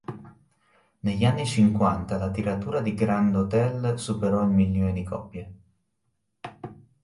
Negli anni cinquanta la tiratura di "Grand Hotel" superò il milione di copie.